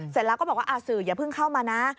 เสร็จแล้วก็บอกว่าสื่ออย่าเพิ่งเข้ามานะ